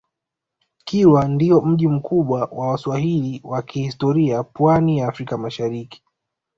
kilwa ndio mji mkubwa wa waswahili wa kihistoria pwani ya afrika mashariki